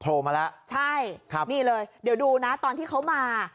มาแล้วใช่ครับนี่เลยเดี๋ยวดูนะตอนที่เขามา